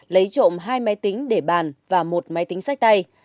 lấy trộm hai máy tính để bàn và một máy tính sách tay